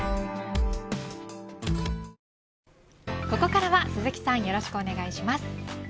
ここからは鈴木さんよろしくお願いします。